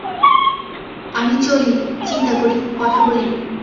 আমি চলি, চিন্তা করি, কথা বলি।